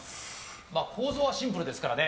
構造はシンプルですからね。